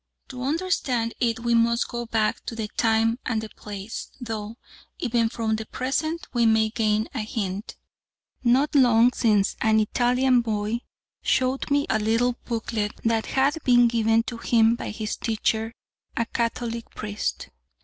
To understand it we must go back to the time and the place, though even from the present we may gain a hint. Not long since an Italian boy showed me a little booklet that had been given to him by his teacher, a Catholic priest.